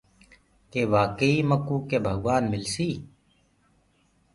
ڪي واڪي ئي مڪوُ ڪي ڀگوآن مِلسي۔